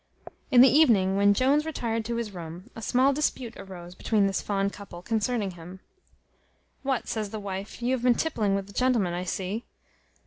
In the evening, when Jones retired to his room, a small dispute arose between this fond couple concerning him: "What," says the wife, "you have been tippling with the gentleman, I see?"